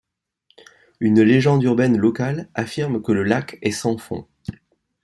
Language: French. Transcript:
Une légende urbaine locale affirme que le lac est sans fond.